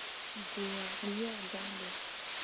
Goo ah ɓuura dan ɓe.